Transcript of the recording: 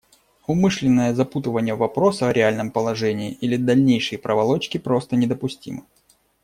Умышленное запутывание вопроса о реальном положении или дальнейшие проволочки просто недопустимы.